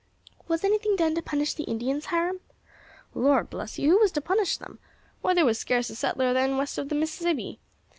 "Was anything done to punish the Indians, Hiram?" "Lor' bless you, who was to punish them? Why, there was scarce a settler then west of the Mississippi.